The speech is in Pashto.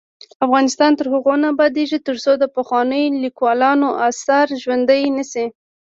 افغانستان تر هغو نه ابادیږي، ترڅو د پخوانیو لیکوالانو اثار ژوندي نشي.